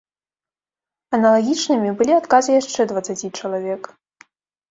Аналагічнымі былі адказы яшчэ дваццаці чалавек.